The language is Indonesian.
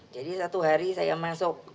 jadi satu hari saya masuk